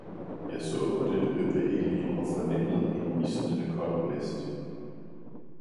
jeg så på dette bevægelige og fornemmede en isnende kold blæst.